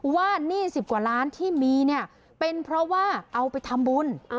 หนี้๑๐กว่าล้านที่มีเนี่ยเป็นเพราะว่าเอาไปทำบุญ